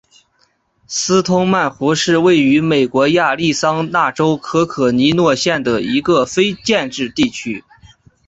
斯通曼湖是位于美国亚利桑那州可可尼诺县的一个非建制地区。